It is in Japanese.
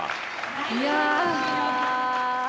いや。